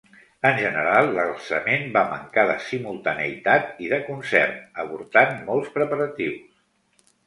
En general, l'alçament va mancar de simultaneïtat i de concert, avortant molts preparatius.